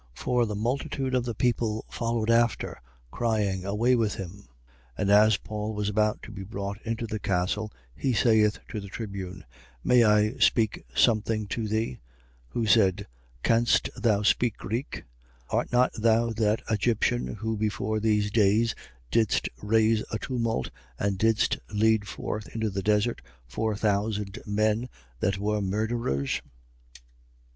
21:36. For the multitude of the people followed after, crying: Away with him! 21:37. And as Paul was about to be brought into the castle, he saith to the tribune: May I speak something to thee? Who said: Canst thou speak Greek? 21:38. Art not thou that Egyptian who before these days didst raise a tumult and didst lead forth into the desert four thousand men that were murderers?